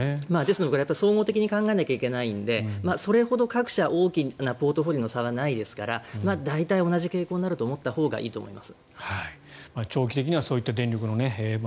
総合的に考えないといけないのでそれほど各社大きなポートフォリオも差はないですから大体同じ傾向になると思ったほうがいいです。